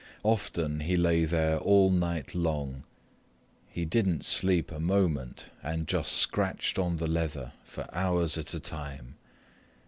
Often he lay there all night long. He didn't sleep a moment and just scratched on the leather for hours at a time.